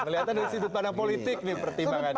melihatnya dari sudut pandang politik nih pertimbangannya